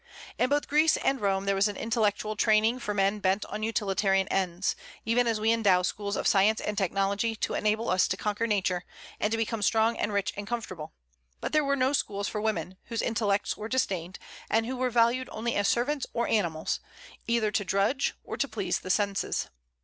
In both Greece and Rome there was an intellectual training for men bent on utilitarian ends; even as we endow schools of science and technology to enable us to conquer nature, and to become strong and rich and comfortable; but there were no schools for women, whose intellects were disdained, and who were valued only as servants or animals, either to drudge, or to please the senses.